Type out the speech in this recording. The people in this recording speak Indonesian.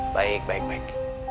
baik baik baik